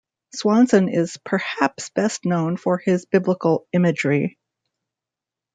Swanson is perhaps best known for his biblical imagery.